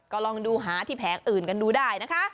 ก็ลองดูหาที่แผงอื่นกันดูได้นะคะ